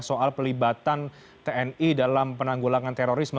soal pelibatan tni dalam penanggulangan terorisme